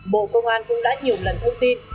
bộ công an cũng đã nhiều lần thông tin